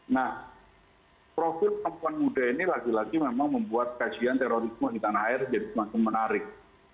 nah profil perempuan muda ini lagi lagi memang membuat kajian terorisme di tanah air jadi semakin menarik